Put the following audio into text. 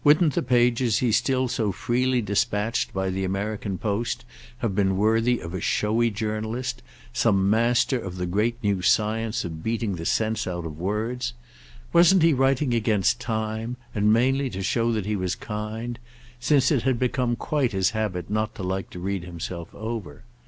Wouldn't the pages he still so freely dispatched by the American post have been worthy of a showy journalist, some master of the great new science of beating the sense out of words? Wasn't he writing against time, and mainly to show he was kind?—since it had become quite his habit not to like to read himself over.